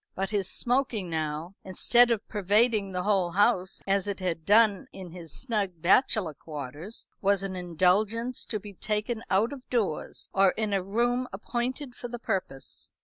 But his smoking now, instead of pervading the whole house, as it had done in his snug bachelor quarters, was an indulgence to be taken out of doors, or in a room appointed for the purpose.